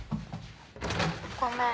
ごめん。